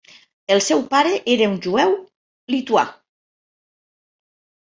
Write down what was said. El seu pare era un jueu lituà.